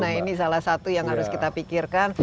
nah ini salah satu yang harus kita pikirkan